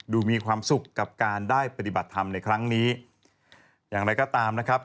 มีความสุขกับการได้ปฏิบัติธรรมในครั้งนี้อย่างไรก็ตามนะครับ